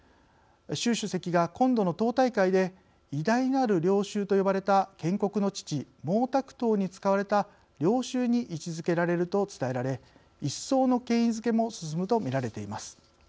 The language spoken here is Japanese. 習主席が今度の党大会で偉大なる領袖と呼ばれた建国の父毛沢東に使われた領袖に位置づけられると伝えられ一層の権威づけも進むと見られています。